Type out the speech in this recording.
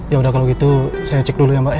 yaudah kalo gitu saya cek dulu ya mbak ya